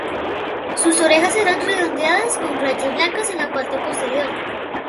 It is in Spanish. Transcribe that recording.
Sus orejas eran redondeadas con rayas blancas en la parte posterior.